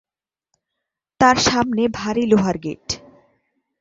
তাঁর সামনে ভারি লোহার গেট।